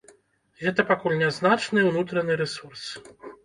Гэта пакуль нязначны ўнутраны рэсурс.